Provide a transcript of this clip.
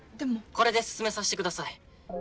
これで進めさしてください。